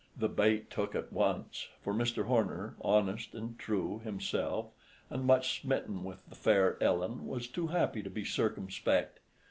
The bait took at once, for Mr. Horner, honest and true himself, and much smitten with the fair Ellen, was too happy to be circumspect.